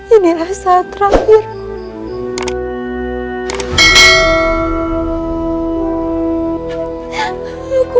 inilah saat terakhirku